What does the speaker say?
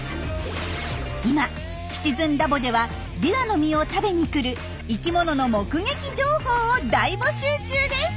今シチズンラボではビワの実を食べに来る生きものの目撃情報を大募集中です！